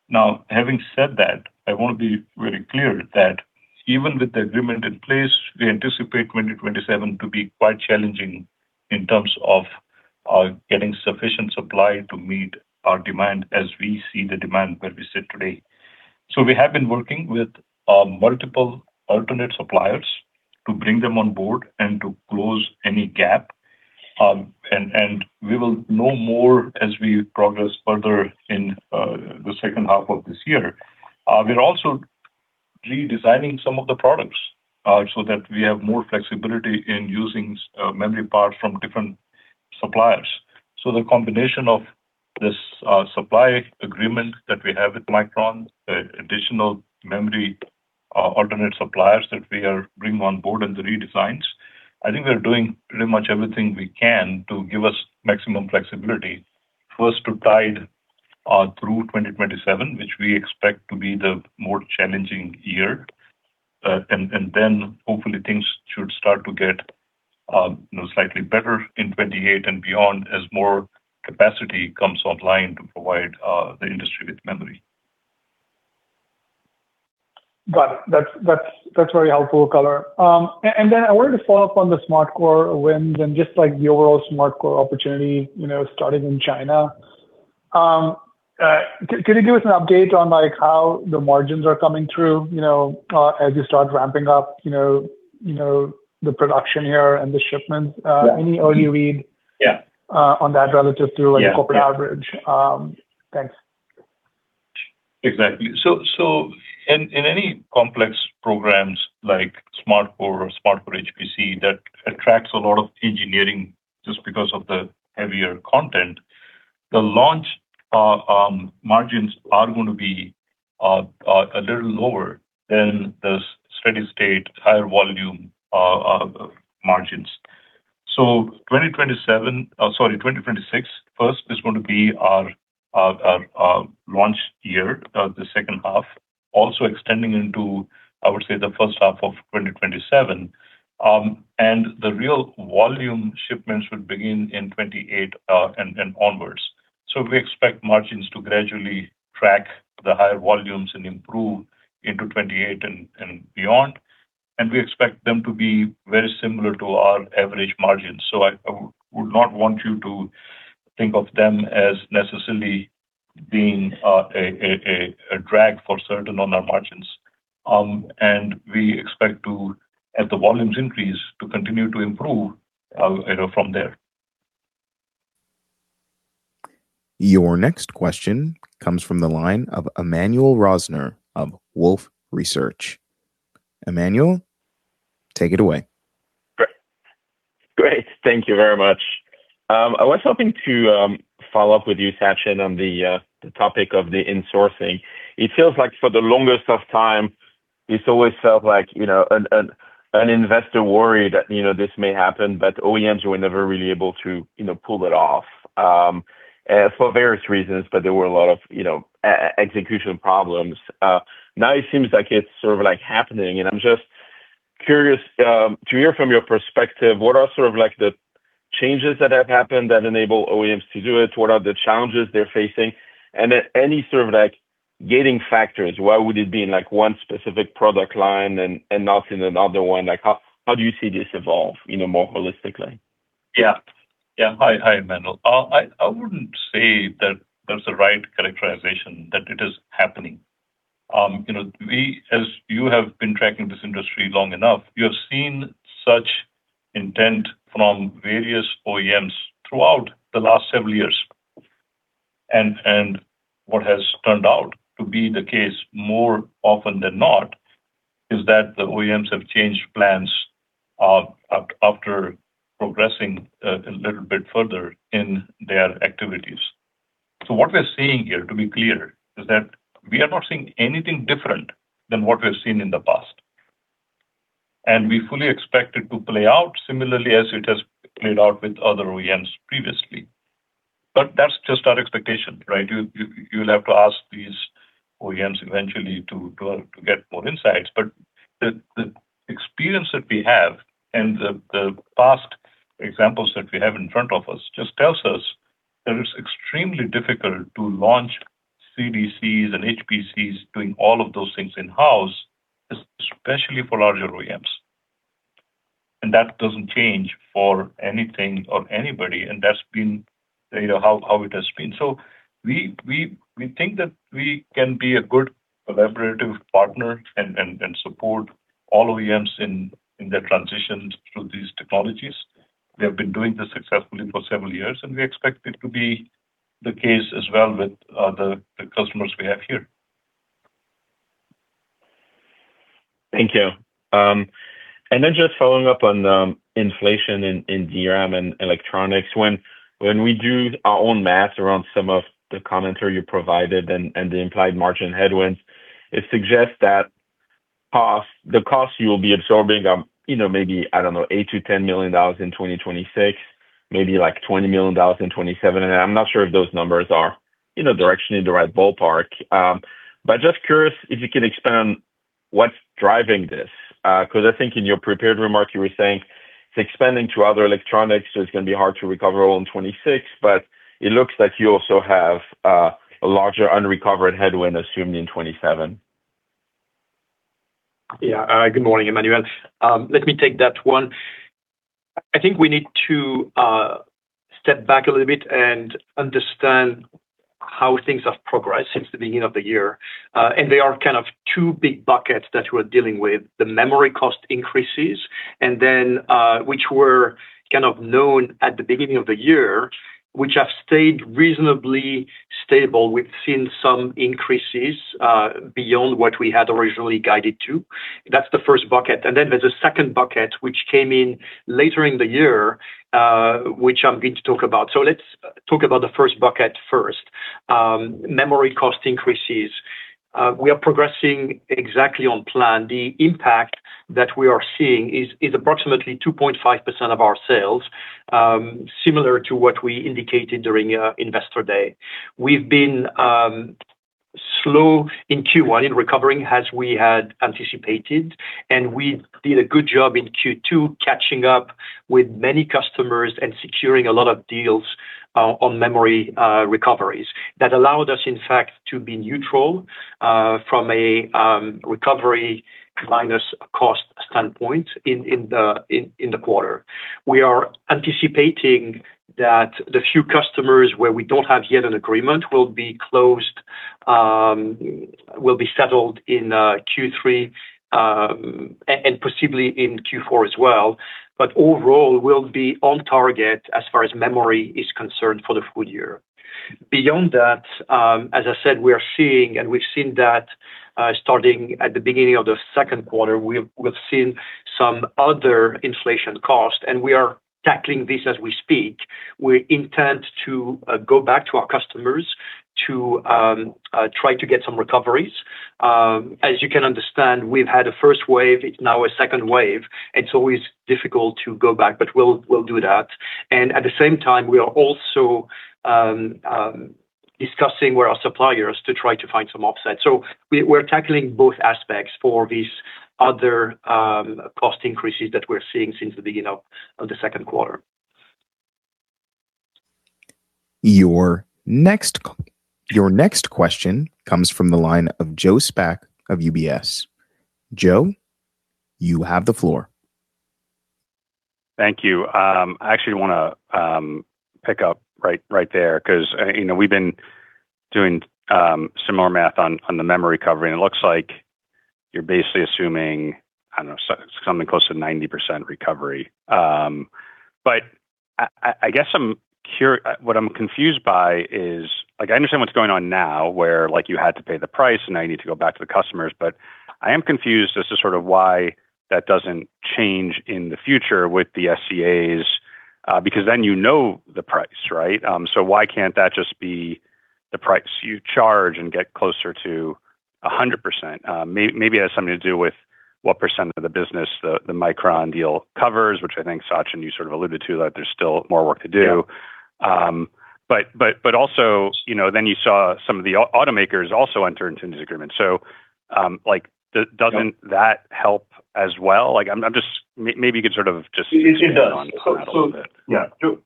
Now, having said that, I want to be very clear that even with the agreement in place, we anticipate 2027 to be quite challenging in terms of getting sufficient supply to meet our demand as we see the demand where we sit today. We have been working with multiple alternate suppliers to bring them on board and to close any gap. We will know more as we progress further in the second half of this year. We're also redesigning some of the products so that we have more flexibility in using memory parts from different suppliers. The combination of this supply agreement that we have with Micron, additional memory alternate suppliers that we are bringing on board and the redesigns I think we are doing pretty much everything we can to give us maximum flexibility. First, to tide through 2027, which we expect to be the more challenging year, and then hopefully things should start to get slightly better in 2028 and beyond as more capacity comes online to provide the industry with memory. Got it. That's very helpful color. I wanted to follow up on the SmartCore wins and just like the overall SmartCore opportunity, started in China. Could you give us an update on how the margins are coming through, as you start ramping up the production here and the shipments? Yeah. Any early read on that relative to like corporate average? Thanks. Exactly. In any complex programs like SmartCore or SmartCore HPC, that attracts a lot of engineering just because of the heavier content, the launch margins are going to be a little lower than the steady state higher volume of margins. 2027, oh, sorry, 2026 first is going to be our launch year, the second half. Also extending into, I would say, the first half of 2027. The real volume shipments would begin in 2028, and onwards. We expect margins to gradually track the higher volumes and improve into 2028 and beyond. We expect them to be very similar to our average margins. I would not want you to think of them as necessarily being a drag for certain on our margins. We expect to, as the volumes increase, to continue to improve from there. Your next question comes from the line of Emmanuel Rosner of Wolfe Research. Emmanuel, take it away. Great. Thank you very much. I was hoping to follow up with you, Sachin, on the topic of the insourcing. It feels like for the longest of time, it's always felt like an investor worry that this may happen, but OEMs were never really able to pull it off, for various reasons, but there were a lot of execution problems. Now it seems like it's sort of happening, and I'm just curious to hear from your perspective, what are sort of the changes that have happened that enable OEMs to do it? What are the challenges they're facing? Then any sort of gating factors, why would it be in one specific product line and not in another one? How do you see this evolve in a more holistic way? Hi, Emmanuel. I wouldn't say that that's the right characterization, that it is happening. As you have been tracking this industry long enough, you have seen such intent from various OEMs throughout the last several years. What has turned out to be the case more often than not is that the OEMs have changed plans after progressing a little bit further in their activities. What we're seeing here, to be clear, is that we are not seeing anything different than what we've seen in the past. We fully expect it to play out similarly as it has played out with other OEMs previously. That's just our expectation, right? You'll have to ask these OEMs eventually to get more insights. The experience that we have and the past examples that we have in front of us just tells us that it's extremely difficult to launch CDCs and HPCs doing all of those things in-house, especially for larger OEMs. That doesn't change for anything or anybody, and that's how it has been. We think that we can be a good collaborative partner and support all OEMs in their transitions through these technologies. We have been doing this successfully for several years, and we expect it to be the case as well with the customers we have here. Thank you. Just following up on inflation in DRAM and electronics. When we do our own math around some of the commentary you provided and the implied margin headwinds, it suggests that the cost you will be absorbing, maybe, I don't know, $8 million-$10 million in 2026, maybe $20 million in 2027. I'm not sure if those numbers are directionally in the right ballpark. Just curious if you can expand what's driving this. Because I think in your prepared remarks, you were saying it's expanding to other electronics, so it's going to be hard to recover all in 2026. It looks like you also have a larger unrecovered headwind assumed in 2027. Good morning, Emmanuel. Let me take that one. I think we need to step back a little bit and understand how things have progressed since the beginning of the year. There are kind of two big buckets that we're dealing with. The memory cost increases, which were kind of known at the beginning of the year, which have stayed reasonably stable. We've seen some increases beyond what we had originally guided to. That's the first bucket. There's a second bucket, which came in later in the year, which I'm going to talk about. Let's talk about the first bucket first. Memory cost increases, we are progressing exactly on plan. The impact that we are seeing is approximately 2.5% of our sales, similar to what we indicated during Investor Day. We've been slow in Q1 in recovering, as we had anticipated, and we did a good job in Q2 catching up with many customers and securing a lot of deals on memory recoveries. That allowed us, in fact, to be neutral from a recovery minus cost standpoint in the quarter. We are anticipating that the few customers where we don't have yet an agreement will be settled in Q3, and possibly in Q4 as well. Overall, we'll be on target as far as memory is concerned for the full year. Beyond that, as I said, we are seeing, we've seen that starting at the beginning of the second quarter, we've seen some other inflation cost, we are tackling this as we speak. We intend to go back to our customers to try to get some recoveries. As you can understand, we've had a first wave, it's now a second wave. It's always difficult to go back, but we'll do that. At the same time, we are also discussing with our suppliers to try to find some offset. We're tackling both aspects for these other cost increases that we're seeing since the beginning of the second quarter. Your next question comes from the line of Joe Spak of UBS. Joe, you have the floor. Thank you. I actually want to pick up right there, because we've been doing some more math on the memory recovery, and it looks like you're basically assuming, I don't know, something close to 90% recovery. What I'm confused by is, I understand what's going on now, where you had to pay the price, and now you need to go back to the customers. I am confused as to sort of why that doesn't change in the future with the SCAs, because then you know the price, right? Why can't that just be the price you charge and get closer to 100%? Maybe it has something to do with what percent of the business the Micron deal covers, which I think, Sachin, you sort of alluded to that there's still more work to do. Yeah. You saw some of the automakers also enter into these agreements. Doesn't that help as well? Maybe you could sort of just expand on that a little bit. It does. Yeah. Joe.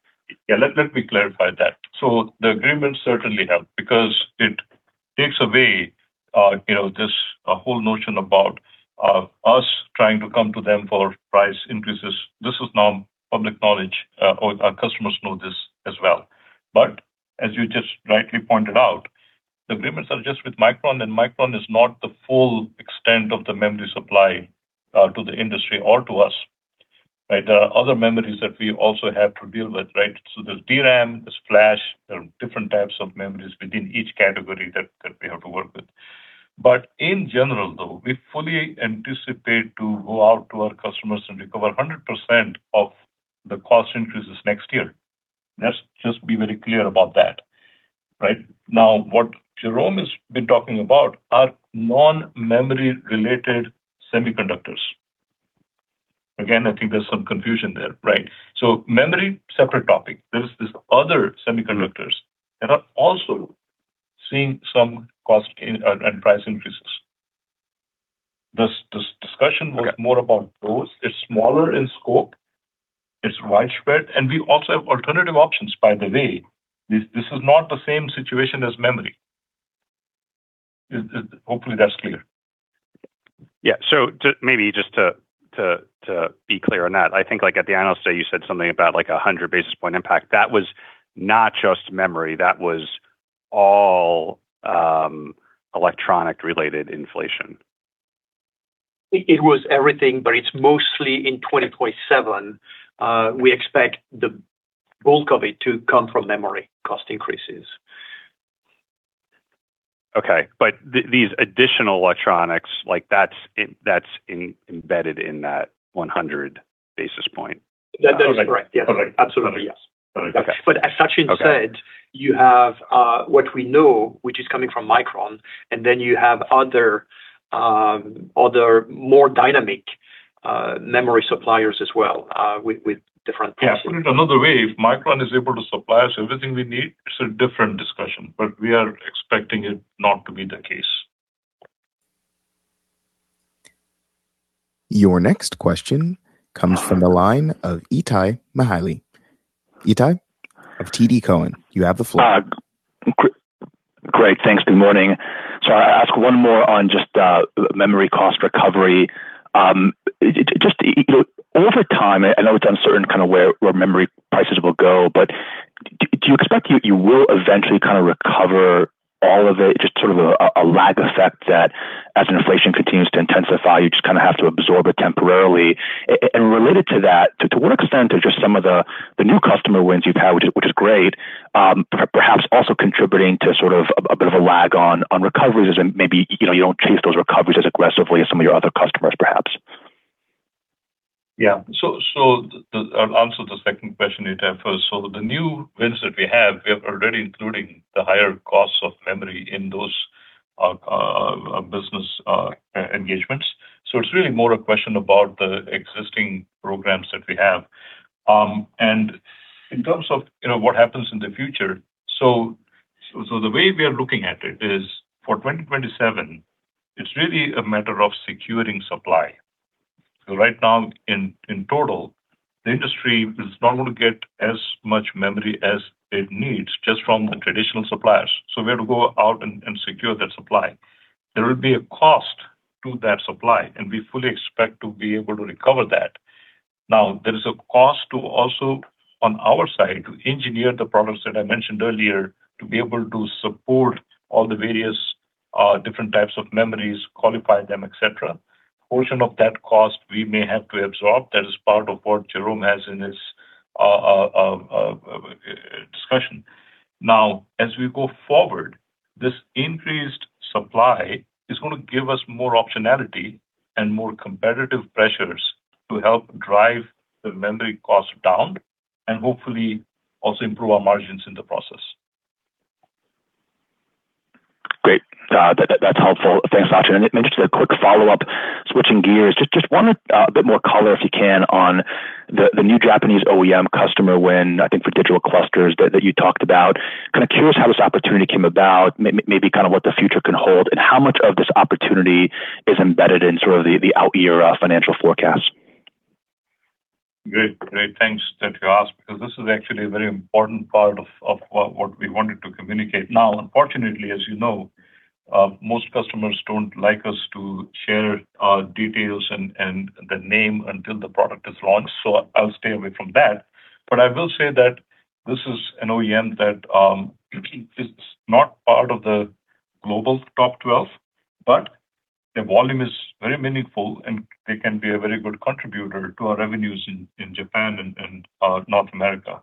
Yeah, let me clarify that. The agreements certainly help because it takes away this whole notion about us trying to come to them for price increases. This is now public knowledge. Our customers know this as well. As you just rightly pointed out, the agreements are just with Micron, and Micron is not the full extent of the memory supply to the industry or to us, right? There are other memories that we also have to deal with, right? There's DRAM, there's flash, there are different types of memories within each category that we have to work with. In general, though, we fully anticipate to go out to our customers and recover 100% of the cost increases next year. Let's just be very clear about that, right? Now, what Jerome has been talking about are non-memory-related semiconductors. Again, I think there's some confusion there, right? Memory, separate topic. There's these other semiconductors that are also seeing some cost and price increases. This discussion— Okay. Was more about those. It's smaller in scope. It's widespread, and we also have alternative options, by the way. This is not the same situation as memory. Hopefully that's clear. Yeah. maybe just to be clear on that, I think at the analyst day, you said something about a 100 basis point impact. That was not just memory. That was all electronic-related inflation. It was everything, but it's mostly in 2027. We expect the bulk of it to come from memory cost increases. Okay. These additional electronics, that's embedded in that 100 basis points. That is correct. Yes. Okay. Absolutely, yes. As Sachin said, you have what we know, which is coming from Micron, and then you have other more dynamic memory suppliers as well, with different prices. Yeah. Put it another way, if Micron is able to supply us everything we need, it's a different discussion. We are expecting it not to be the case. Your next question comes from the line of Itay Michaeli. Itay of TD Cowen, you have the floor. Great. Thanks. Good morning. I'll ask one more on just memory cost recovery. Just over time, I know it's uncertain where memory prices will go, do you expect you will eventually recover all of it, just sort of a lag effect that as inflation continues to intensify, you just have to absorb it temporarily? Related to that, to what extent are just some of the new customer wins you've had, which is great, perhaps also contributing to sort of a bit of a lag on recoveries, as in maybe you don't chase those recoveries as aggressively as some of your other customers, perhaps? Yeah. I'll answer the second question you had first. The new wins that we have, we are already including the higher costs of memory in those business engagements. It's really more a question about the existing programs that we have. In terms of what happens in the future, the way we are looking at it is for 2027, it's really a matter of securing supply. Right now in total, the industry is not going to get as much memory as it needs just from the traditional suppliers. We have to go out and secure that supply. There will be a cost to that supply, and we fully expect to be able to recover that. There is a cost to also, on our side, to engineer the products that I mentioned earlier, to be able to support all the various different types of memories, qualify them, et cetera. Portion of that cost we may have to absorb. That is part of what Jerome has in his discussion. As we go forward, this increased supply is going to give us more optionality and more competitive pressures to help drive the memory cost down and hopefully also improve our margins in the process. Great. That's helpful. Thanks, Sachin. Maybe just a quick follow-up, switching gears, just wanted a bit more color, if you can, on the new Japanese OEM customer win, I think for digital clusters that you talked about. Curious how this opportunity came about, maybe what the future can hold, and how much of this opportunity is embedded in sort of the out year financial forecast. Great. Thanks that you asked, because this is actually a very important part of what we wanted to communicate. Unfortunately, as you know, most customers don't like us to share details and the name until the product is launched, so I'll stay away from that. I will say that this is an OEM that is not part of the global top 12, but their volume is very meaningful, and they can be a very good contributor to our revenues in Japan and North America.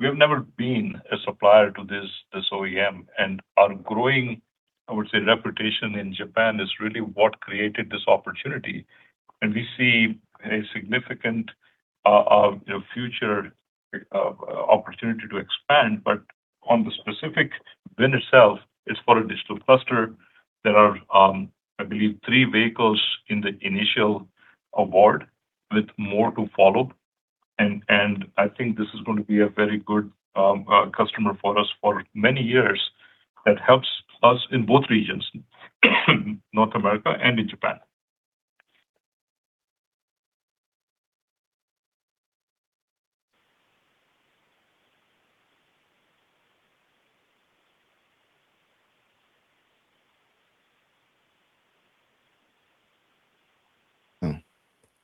We have never been a supplier to this OEM, and our growing, I would say, reputation in Japan is really what created this opportunity. We see a significant future opportunity to expand, but on the specific win itself, it's for a digital cluster that are, I believe, three vehicles in the initial award with more to follow, and I think this is going to be a very good customer for us for many years that helps us in both regions, North America and in Japan.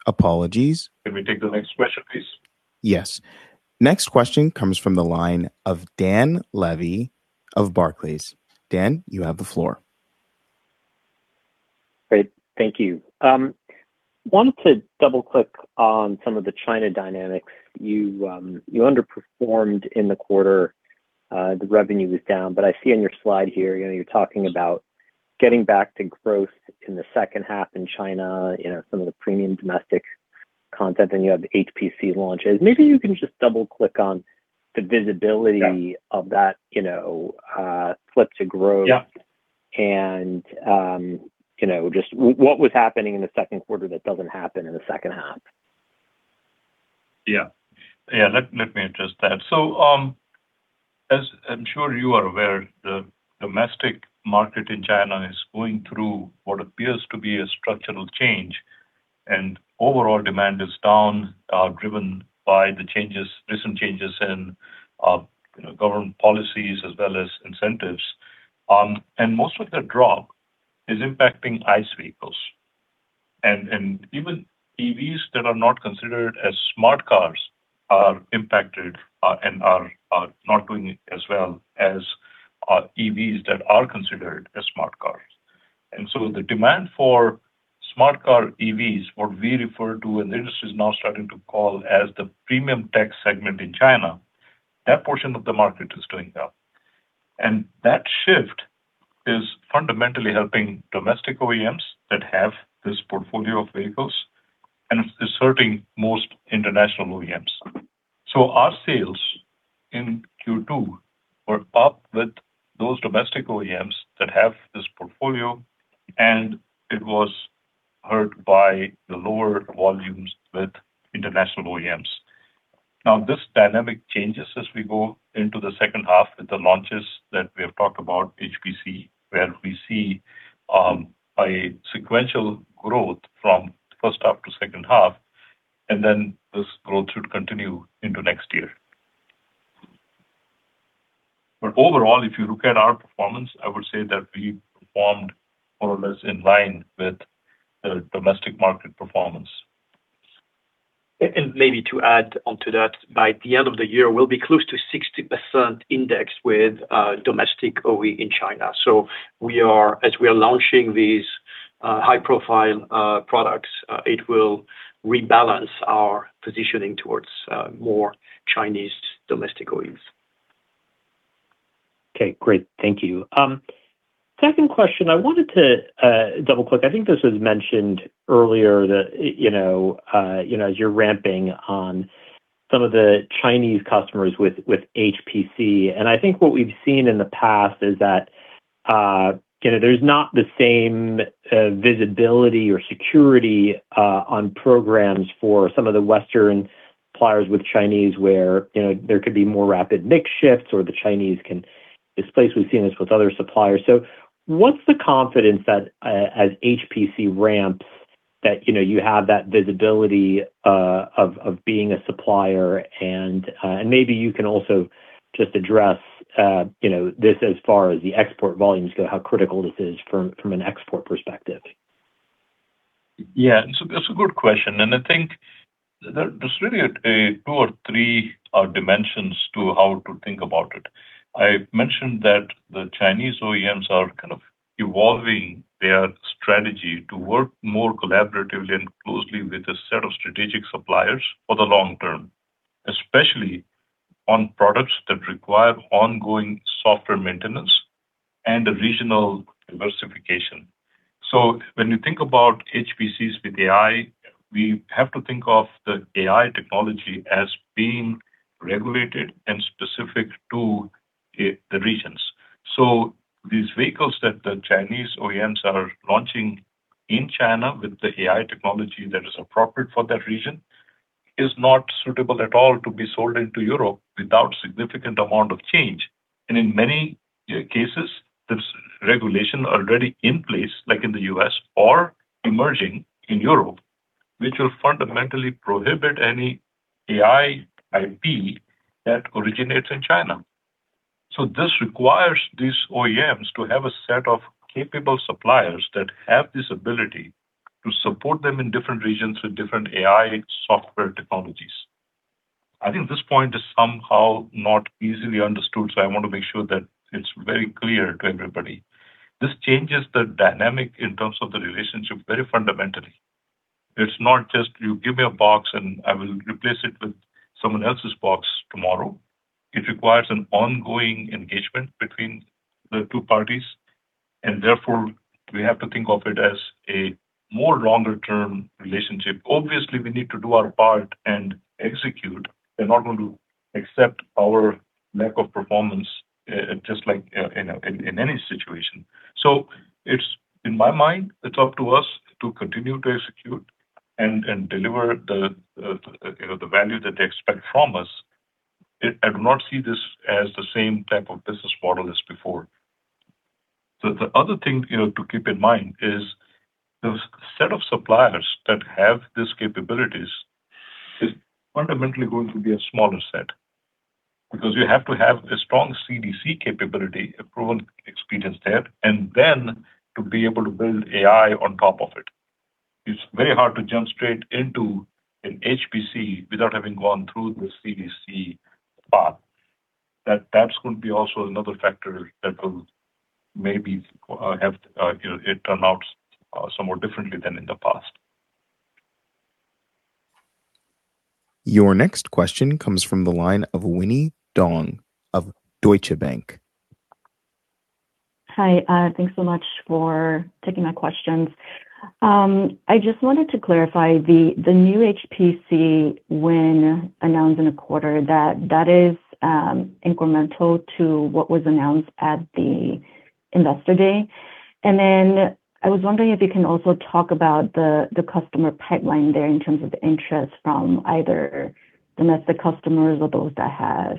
Apologies. Can we take the next question, please? Yes. Next question comes from the line of Dan Levy of Barclays. Dan, you have the floor. Great. Thank you. Wanted to double-click on some of the China dynamics. You underperformed in the quarter. The revenue was down, but I see on your slide here, you're talking about getting back to growth in the second half in China, some of the premium domestic content, and you have HPC launches. Maybe you can just double click on the visibility of that flip to growth. Yeah. What was happening in the second quarter that doesn't happen in the second half? Let me address that. As I'm sure you are aware, the domestic market in China is going through what appears to be a structural change, overall demand is down, driven by the recent changes in government policies as well as incentives. Most of the drop is impacting ICE vehicles. Even EVs that are not considered as smart cars are impacted, are not doing as well as EVs that are considered as smart cars. The demand for smart car EVs, what we refer to and the industry is now starting to call as the premium tech segment in China, that portion of the market is doing well. That shift is fundamentally helping domestic OEMs that have this portfolio of vehicles, it's hurting most international OEMs. Our sales in Q2 were up with those domestic OEMs that have this portfolio, it was hurt by the lower volumes with international OEMs. This dynamic changes as we go into the second half with the launches that we have talked about, HPC, where we see a sequential growth from first half to second half, this growth should continue into next year. Overall, if you look at our performance, I would say that we performed more or less in line with the domestic market performance. Maybe to add onto that, by the end of the year, we'll be close to 60% index with domestic OE in China. As we are launching these high-profile products, it will rebalance our positioning towards more Chinese domestic OEMs. Okay, great. Thank you. Second question, I wanted to double-click. I think this was mentioned earlier, that as you're ramping on some of the Chinese customers with HPC. I think what we've seen in the past is that, there's not the same visibility or security on programs for some of the Western suppliers with Chinese where, there could be more rapid mix shifts or the Chinese can displace. We've seen this with other suppliers. What's the confidence that as HPC ramps that you have that visibility of being a supplier and, maybe you can also just address this as far as the export volumes go, how critical this is from an export perspective. Yeah. That's a good question, and I think there's really two or three dimensions to how to think about it. I mentioned that the Chinese OEMs are kind of evolving their strategy to work more collaboratively and closely with a set of strategic suppliers for the long term, especially on products that require ongoing software maintenance and regional diversification. When you think about HPCs with AI, we have to think of the AI technology as being regulated and specific to the regions. These vehicles that the Chinese OEMs are launching in China with the AI technology that is appropriate for that region is not suitable at all to be sold into Europe without significant amount of change. In many cases, there's regulation already in place, like in the U.S. or emerging in Europe, which will fundamentally prohibit any AI IP that originates in China. This requires these OEMs to have a set of capable suppliers that have this ability to support them in different regions with different AI software technologies. I think this point is somehow not easily understood, so I want to make sure that it's very clear to everybody. This changes the dynamic in terms of the relationship very fundamentally. It's not just you give me a box and I will replace it with someone else's box tomorrow. It requires an ongoing engagement between the two parties, and therefore we have to think of it as a more longer term relationship. Obviously, we need to do our part and execute. They're not going to accept our lack of performance, just like in any situation. It's, in my mind, it's up to us to continue to execute and deliver the value that they expect from us. I do not see this as the same type of business model as before. The other thing to keep in mind is the set of suppliers that have these capabilities is fundamentally going to be a smaller set, because you have to have a strong CDC capability, a proven experience there, and then to be able to build AI on top of it. It's very hard to jump straight into an HPC without having gone through the CDC path. That's going to be also another factor that will maybe have it turn out somewhat differently than in the past. Your next question comes from the line of Winnie Dong of Deutsche Bank. Hi. Thanks so much for taking my questions. I just wanted to clarify the new HPC win announced in a quarter, that is incremental to what was announced at the Investor Day. I was wondering if you can also talk about the customer pipeline there in terms of interest from either domestic customers or those that have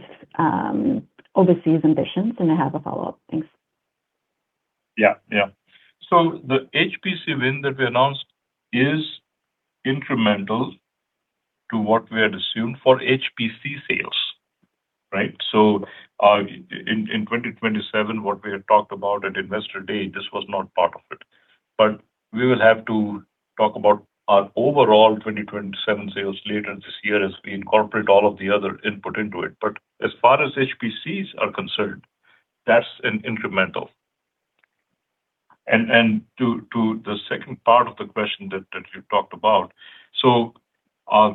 overseas ambitions. I have a follow-up. Thanks. Yeah. The HPC win that we announced is incremental to what we had assumed for HPC sales. Right? In 2027, what we had talked about at Investor Day, this was not part of it. We will have to talk about our overall 2027 sales later this year as we incorporate all of the other input into it. As far as HPCs are concerned, that's an incremental. To the second part of the question that you talked about.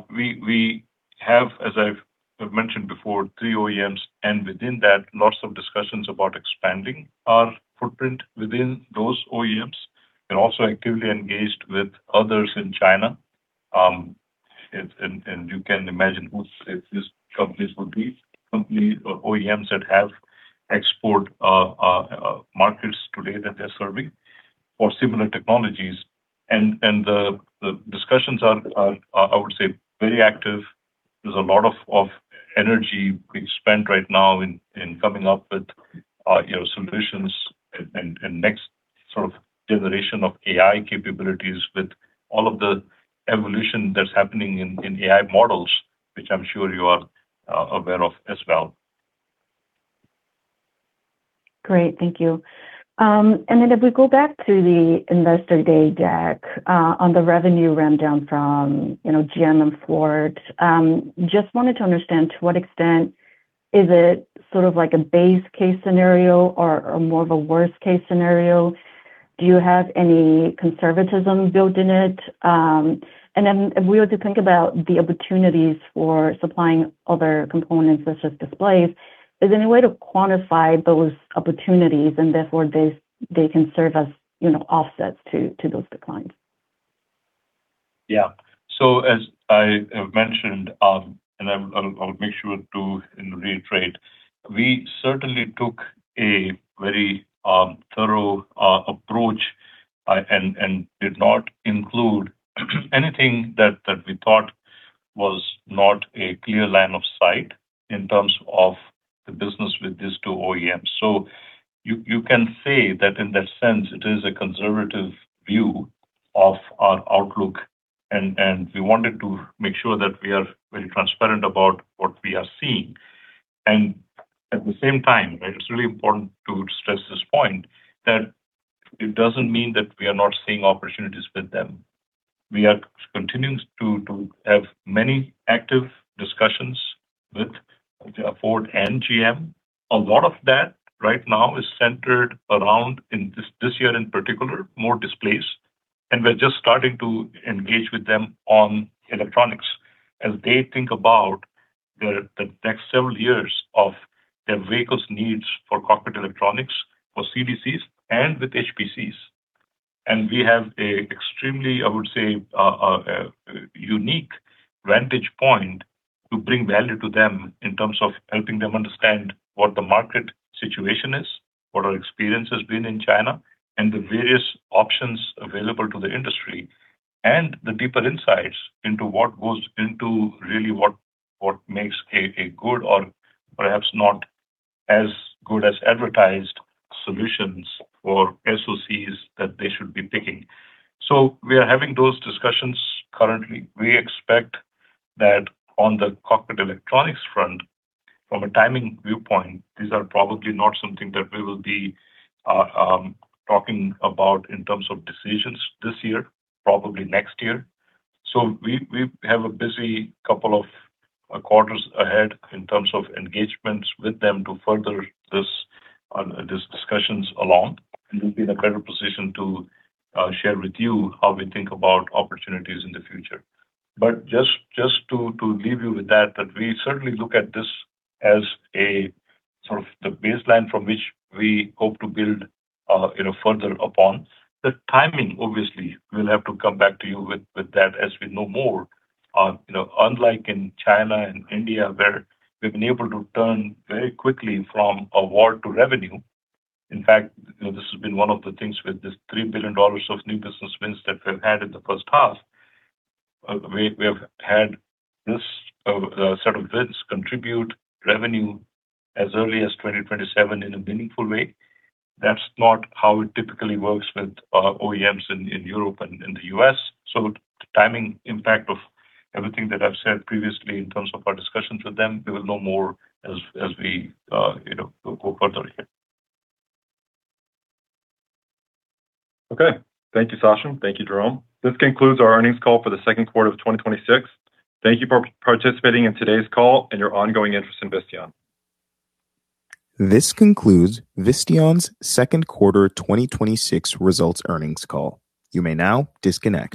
We have, as I've mentioned before, three OEMs, and within that, lots of discussions about expanding our footprint within those OEMs and also actively engaged with others in China. You can imagine who these companies would be. Companies or OEMs that have export markets today that they're serving for similar technologies. The discussions are, I would say, very active. There's a lot of energy being spent right now in coming up with solutions and next sort of generation of AI capabilities with all of the evolution that's happening in AI models, which I'm sure you are aware of as well. Great. Thank you. If we go back to the Investor Day deck, on the revenue rundown from GM and Ford. Just wanted to understand to what extent is it sort of like a base case scenario or more of a worst case scenario? Do you have any conservatism built in it? If we were to think about the opportunities for supplying other components such as displays, is there any way to quantify those opportunities, and therefore they can serve as offsets to those declines? Yeah. As I have mentioned, I'll make sure to reiterate, we certainly took a very thorough approach and did not include anything that we thought was not a clear line of sight in terms of the business with these two OEMs. You can say that in that sense, it is a conservative view of our outlook, and we wanted to make sure that we are very transparent about what we are seeing. At the same time, it's really important to stress this point, that it doesn't mean that we are not seeing opportunities with them. We are continuing to have many active discussions with Ford and GM. A lot of that right now is centered around, in this year in particular, more displays, we're just starting to engage with them on electronics as they think about the next several years of their vehicles' needs for cockpit electronics, for CDCs, and with HPCs. We have a extremely, I would say, unique vantage point to bring value to them in terms of helping them understand what the market situation is, what our experience has been in China, and the various options available to the industry, and the deeper insights into what goes into really what makes a good or perhaps not as good as advertised solutions for SoCs that they should be picking. We are having those discussions currently. We expect that on the cockpit electronics front, from a timing viewpoint, these are probably not something that we will be talking about in terms of decisions this year, probably next year. We have a busy couple of quarters ahead in terms of engagements with them to further these discussions along, and we'll be in a better position to share with you how we think about opportunities in the future. Just to leave you with that we certainly look at this as a sort of the baseline from which we hope to build further upon. The timing, obviously, we'll have to come back to you with that as we know more. Unlike in China and India, where we've been able to turn very quickly from award to revenue. In fact, this has been one of the things with this $3 billion of new business wins that we've had in the first half. We have had this set of bids contribute revenue as early as 2027 in a meaningful way. That's not how it typically works with OEMs in Europe and in the U.S. The timing impact of everything that I've said previously in terms of our discussions with them, we will know more as we go further ahead. Okay. Thank you, Sachin. Thank you, Jerome. This concludes our earnings call for the second quarter of 2026. Thank you for participating in today's call and your ongoing interest in Visteon. This concludes Visteon's second quarter 2026 results earnings call. You may now disconnect.